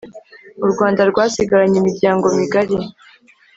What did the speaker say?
urwanda rwasigaranye imiryango migari